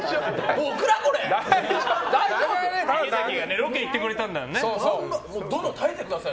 ロケに行ってくれたんだよね。